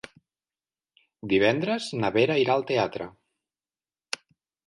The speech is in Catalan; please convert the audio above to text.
Divendres na Vera irà al teatre.